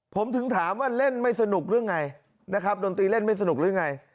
ผมถึงถามว่าเล่นไม่สนุกหรือไงนะครับดนตรีเล่นไม่สนุกหรือไง